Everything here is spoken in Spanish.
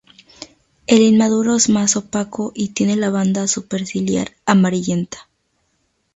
El inmaduro es más opaco y tiene la banda superciliar amarillenta.